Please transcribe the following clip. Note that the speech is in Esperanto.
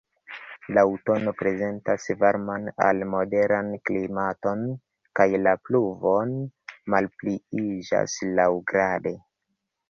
La aŭtuno prezentas varman al moderan klimaton, kaj la pluvoj malpliiĝas laŭgrade.